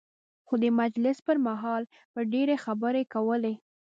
خو د مجلس پر مهال به ډېرې خبرې کولې.